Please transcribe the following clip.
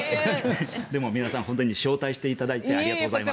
でも皆さん本当に招待していただいてありがとうございます。